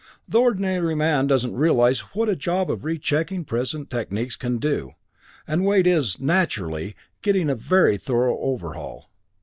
The ordinary man doesn't realize what a job of rechecking present techniques can do and Wade is, naturally, getting a very thorough overhaul.